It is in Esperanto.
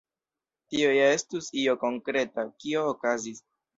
Tio ja estus io konkreta, kio okazis.